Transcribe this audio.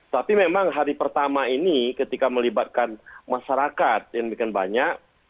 tapi memang hari pertama ini ketika melibatkan masyarakat yang bikin banyak